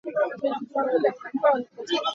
Fung in a tuk.